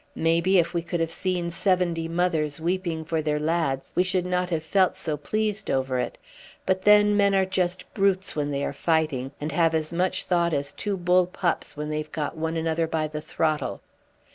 Maybe, if we could have seen seventy mothers weeping for their lads, we should not have felt so pleased over it; but then, men are just brutes when they are fighting, and have as much thought as two bull pups when they've got one another by the throttle.